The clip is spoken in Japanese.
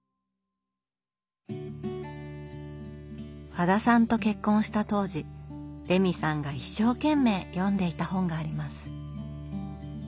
和田さんと結婚した当時レミさんが一生懸命読んでいた本があります。